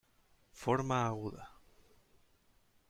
Forma aguda.